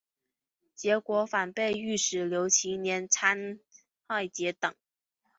结果反被御史刘其年参劾结党。